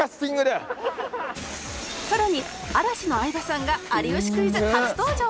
更に嵐の相葉さんが『有吉クイズ』初登場